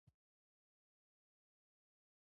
لمریز ځواک د افغانستان طبعي ثروت دی.